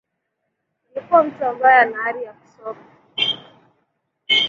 Alikuwa mtu ambaye ana ari ya kusoma